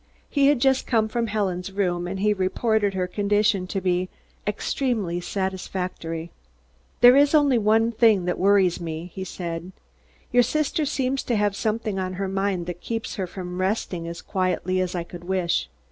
He had just come from Helen's room and he reported her condition to be "extremely satisfactory." "There is only one thing that worries me," he said. "Your sister seems to have something on her mind that keeps her from resting as quietly as I could wish.